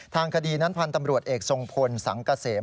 ทางคดีนั้นพันธ์ตำรวจเอกทรงพลสังเกษม